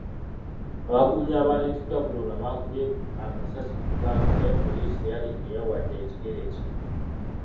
Abakuumi abaleeteddwa Bulola baakubye amasasi mu bbanga naye ppoliisi teyalinnyeewo wadde ekigere ekimu.